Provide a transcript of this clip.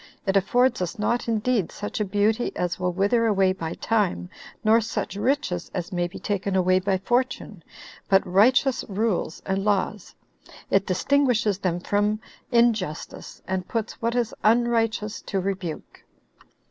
It affords us not indeed such a beauty as will wither away by time, nor such riches as may be taken away by fortune, but righteous rules and laws. It distinguishes them from injustice, and puts what is unrighteous to rebuke."